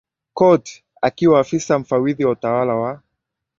Coote akiwa Afisa Mfawidhi wa Utawala wa